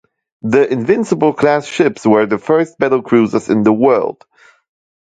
The "Invincible"-class ships were the first battlecruisers in the world.